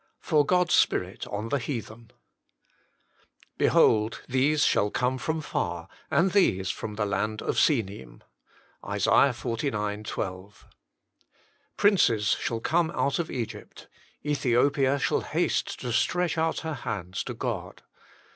Jor o& a Spirit on ilje "Behold, these shall come from far; and these from the land of Sinim." ISA. xlix. 12. "Princes shall come out of Egypt; Ethiopia shall haste to stretch out her hands to God."